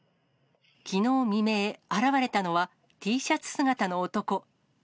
きのう未明、現れたのは、Ｔシャツ姿の男。